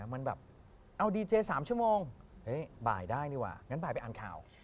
มันแบบเอาดีเจ๓ชั่วโมงเฮ้ยบ่ายได้ดีกว่างั้นบ่ายไปอ่านข่าว